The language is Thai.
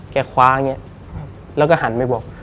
คว้าอย่างนี้แล้วก็หันไปบอก